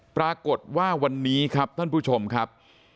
ปรากฏว่าวันนี้ครับท่านผู้ชมครับ